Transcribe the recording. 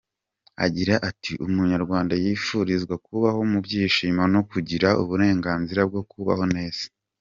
Agira ati “Umunyarwanda yifurizwa kubaho mu byishimo no kugira uburenganzira bwo kubaho neza.